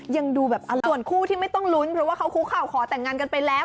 ยังดูแบบส่วนคู่ที่ไม่ต้องลุ้นเพราะว่าเขาคุกข่าวขอแต่งงานกันไปแล้ว